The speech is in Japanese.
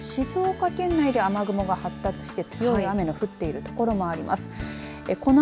特に静岡県内で雨雲が発達していて強い雨が降っている所もあります。